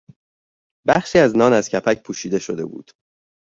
بخشی از نان از کپک پوشیده شده بود.